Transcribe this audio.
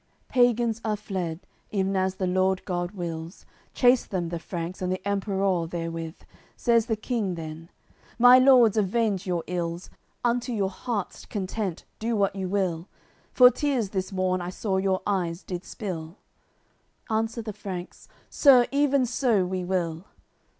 CCLXIII Pagans are fled, ev'n as the Lord God wills; Chase them the Franks, and the Emperour therewith. Says the King then: "My Lords, avenge your ills, Unto your hearts' content, do what you will! For tears, this morn, I saw your eyes did spill." Answer the Franks: "Sir, even so we will."